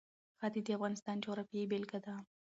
ښتې د افغانستان د جغرافیې بېلګه ده.